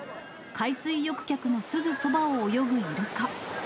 海水浴客のすぐそばを泳ぐイルカ。